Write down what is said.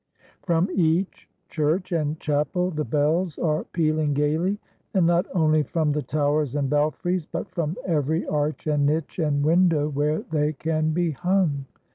From each church and chapel the bells are pealing gayly, and not only from the towers and belfries, but from every arch and niche and window where they can be hung.